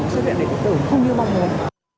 cái sự điện tử không như mong muốn